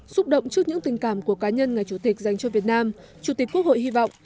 xúc động trước những tình cảm của cá nhân ngài chủ tịch dành cho việt nam chủ tịch quốc hội hy vọng